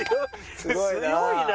強いな！